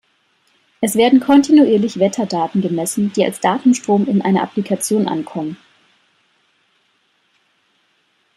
Es werden kontinuierlich Wetterdaten gemessen, die als Datenstrom in einer Applikation ankommen.